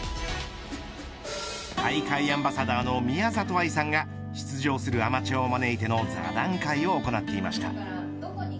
大会アンバサダーの宮里藍さんが出場するアマチュアを招いての座談会を行っていました。